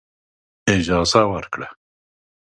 اجازه ورکړه.